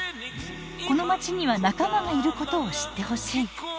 このまちには仲間がいることを知ってほしい。